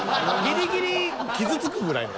ギリギリ傷つくぐらいの。